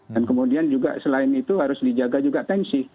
dan kemudian juga selain itu harus dijaga juga pensi